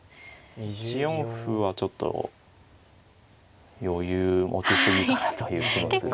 １四歩はちょっと余裕持ち過ぎかなという気もするので。